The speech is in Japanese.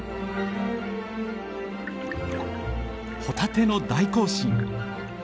ホタテの大行進。